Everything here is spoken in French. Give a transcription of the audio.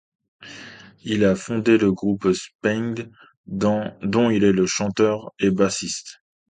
Il a fondé le groupe Spain dont il est chanteur et bassiste.